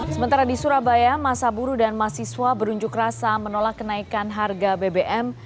sementara di surabaya masa buru dan mahasiswa berunjuk rasa menolak kenaikan harga bbm